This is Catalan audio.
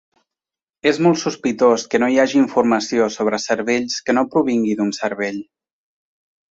És molt sospitós que no hi hagi informació sobre cervells que no provingui d'un cervell.